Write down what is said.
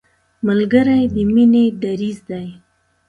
ملګری د مینې دریځ دی